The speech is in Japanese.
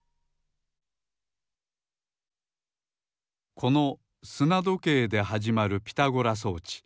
このすなどけいではじまるピタゴラ装置